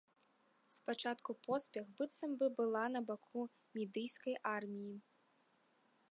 Спачатку поспех быццам бы была на баку мідыйскай арміі.